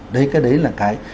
đấy cái đấy là cái